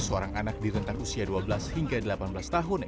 seorang anak di rentang usia dua belas hingga delapan belas tahun